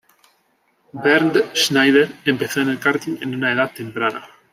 Bernd Schneider empezó en el karting en una edad temprana.